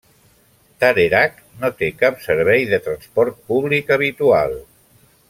Tarerac no té cap servei de transport públic habitual.